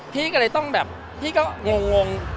พี่ก็เลยต้องแบบพี่ก็งง